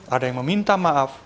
ada yang meminta maaf